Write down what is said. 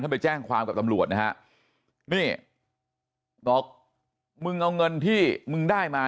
ไปแจ้งความกับตำรวจนะฮะนี่บอกมึงเอาเงินที่มึงได้มา